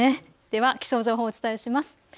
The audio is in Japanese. では気象情報をお伝えします。